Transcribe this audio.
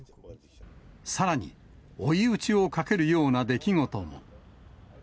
さらに、追い打ちをかけるような出来事が。